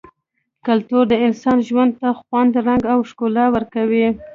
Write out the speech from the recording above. کلتور د انسان ژوند ته خوند ، رنګ او ښکلا ورکوي -